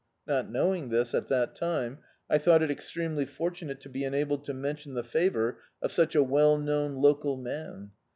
Not knowing this, at that time, I thought it ex tremely fortunate to be enabled to mention the fa vour of such a well known local man.